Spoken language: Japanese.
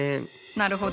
なるほど。